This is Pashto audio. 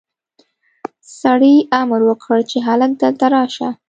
سړي امر وکړ چې هلک دلته راشه.